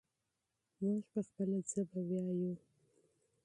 موږ خپله ژبه کاروو.